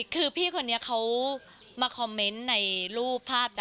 คือพี่คนนี้เขามาคอมเมนต์ในรูปภาพจ้